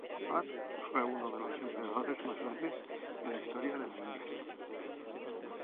Akbar fue uno de los emperadores más grandes en la historia de la India.